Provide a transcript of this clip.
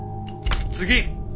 次！